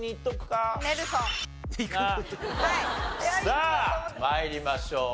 さあ参りましょう。